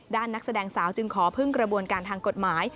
นักแสดงสาวจึงขอพึ่งกระบวนการทางกฎหมาย